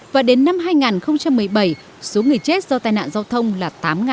và đến năm hai nghìn một mươi bảy số người chết do tai nạn giao thông là tám hai trăm linh